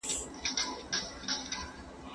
ړوند خپله همسا يو وار ورکوي.